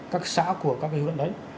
các xã của các cái huyện đấy